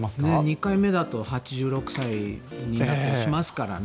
２回目だと８６歳になってしまいますから。